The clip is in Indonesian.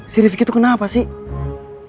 si rifki tuh kenapa sih